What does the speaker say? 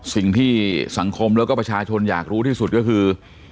สิ่งที่สังคมแล้วก็ประชาชนอยากรู้ที่สุดก็คือ